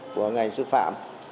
của ngành sức phạm